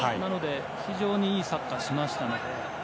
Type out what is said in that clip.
非常にいいサッカーをしましたので。